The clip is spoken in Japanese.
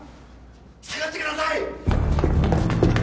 ・下がってください！